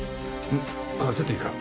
ちょっといいか？